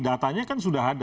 datanya kan sudah ada